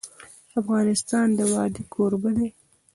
افغانستان د وادي کوربه دی.